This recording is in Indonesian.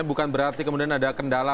bukan berarti kemudian ada kendala